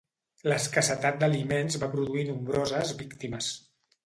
L'escassetat d'aliments va produir nombroses víctimes.